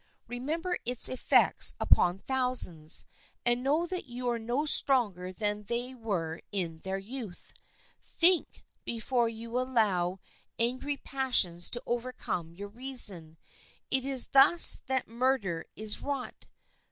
Remember its effects upon thousands, and know that you are no stronger than they were in their youth. Think before you allow angry passions to overcome your reason. It is thus that murder is wrought.